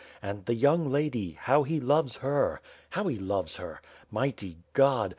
And the young lady — ^how he loves her! How he loves her! Mighty God !